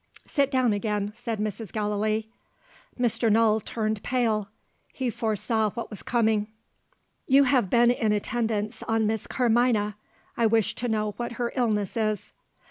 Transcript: "Sit down again," said Mrs. Gallilee. Mr. Null turned pale. He foresaw what was coming. "You have been in attendance on Miss Carmina. I wish to know what her illness is."